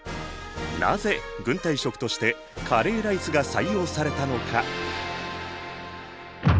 なぜ軍隊食としてカレーライスが採用されたのか？